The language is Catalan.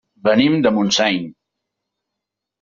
Venim de Montseny.